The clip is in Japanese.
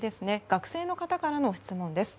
学生の方からの質問です。